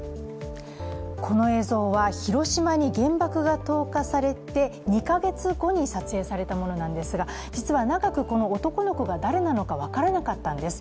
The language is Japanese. この映像は、広島に原爆が投下されて２カ月後に撮影されたものなんですが実は長くこの男の子が誰なのか分からなかったんです。